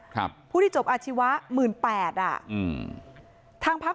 ครับผู้ที่จบอาชีวะหมื่นแปดอ่ะอืมทางพัก